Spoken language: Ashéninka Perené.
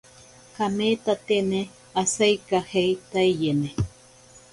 Kameetatene asaikajeetaiyene.